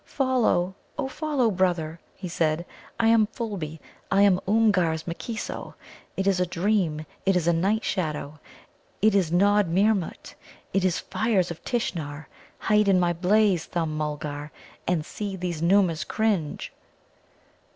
"Follow, oh follow, brother," he said. "I am Fulby, I am Oomgar's M'keeso; it is a dream; it is a night shadow; it is Nod Meermut; it is fires of Tishnar. Hide in my blaze, Thumb Mulgar. And see these Noomas cringe!"